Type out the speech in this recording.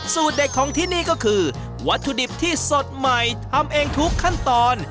เด็ดของที่นี่ก็คือวัตถุดิบที่สดใหม่ทำเองทุกขั้นตอน